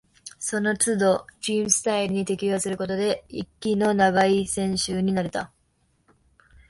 そのつどチームスタイルに適応することで、息の長い選手になれた